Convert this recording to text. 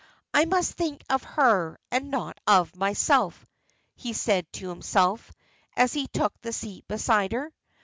"I must think of her, and not of myself," he said to himself, as he took the seat beside her.